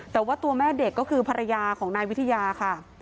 แต่ว่าตัวแม่เด็กก็คือภรรยาของนายวิทยาค่ะ